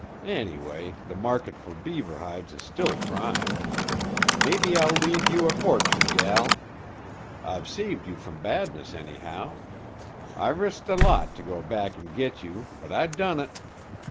Anyway, the market fer beaver hides is still prime. Mebbe I'll leave you a fortin, gel. I've saved you from badness, anyhow. I risked a lot to go back an' git you, but I done it.